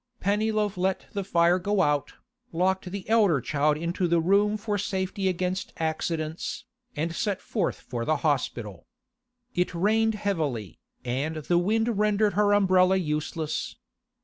Pennyloaf let the fire go out, locked the elder child into the room for safety against accidents, and set forth for the hospital. It rained heavily, and the wind rendered her umbrella useless.